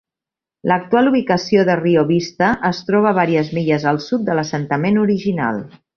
L'actual ubicació de Rio Vista es troba a vàries milles al sud de l'assentament original.